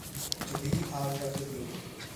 To be out of the blue.